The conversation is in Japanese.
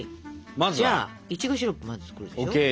じゃあいちごシロップをまず作るでしょ？ＯＫ。